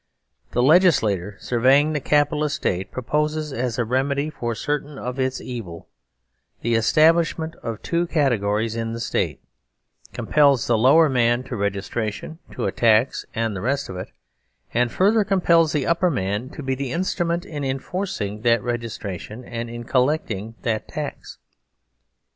The legislator surveying the Capitalist 165 THE SERVILE STATE State proposes as a remedy for certain of its evils the establishment of two categories in the State, compels the lower man to registration, to a tax, and the rest of it, and further compels the upper man to be the instru ment in enforcing that registration and in collecting that tax.